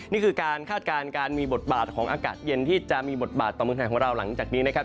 นี่คือการคาดการณ์การมีบทบาทของอากาศเย็นที่จะมีบทบาทต่อเมืองไทยของเราหลังจากนี้นะครับ